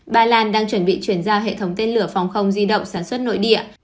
bà lan đang chuẩn bị chuyển giao hệ thống tên lửa phòng không di động sản xuất nội địa